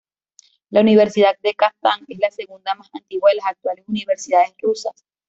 La Universidad de Kazán es la segunda más antigua de las actuales universidades rusas.